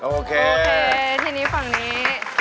โอเคที่นี้ฝั่งนี้